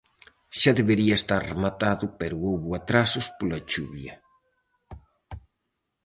Xa debería estar rematado pero houbo atrasos pola chuvia.